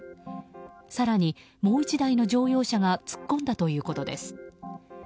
更にもう１台の乗用車が突っ込んだということです。